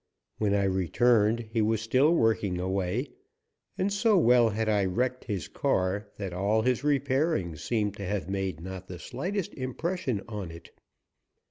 When I returned he was still working away, and so well had I wrecked his car that all his repairing seemed to have made not the slightest impression on it.